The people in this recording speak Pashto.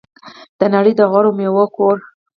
د نړۍ د غوره میوو کور.